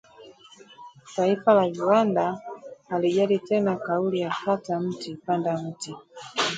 Taifa la viwanda halijali tena kauli ya kata mti, panda miti